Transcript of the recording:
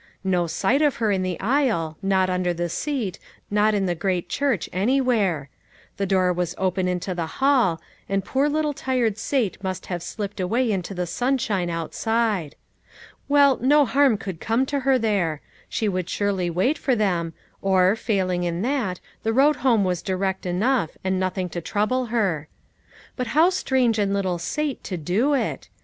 No sight of her in the aisle, not under the seat, not in the great church anywhere. The door was open into the hall, and poor little tired Sate must have slipped away into the sunshine outside. "Well, no harm could come to her there; she would surely wait for them, or, failing in that, the road home was direct enough, and nothing to trouble her ; but how strange in little Sate to do it